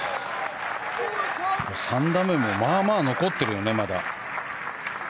３打目もまあまあ残ってるよね。